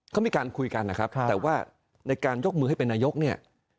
เขามีการคุยกันหรือกันเลยครับแต่ว่าในการยกมือให้ในยกนี้